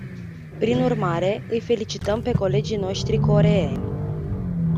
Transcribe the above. Prin urmare, îi felicităm pe colegii noștri coreeni.